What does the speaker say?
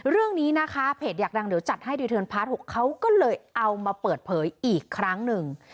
เรื่องนี้นะคะเพจอยากดังเดี๋ยวจัดให้รีเทิร์นพาร์ท๖เขาก็เลยเอามาเปิดเผยอีกครั้งหนึ่ง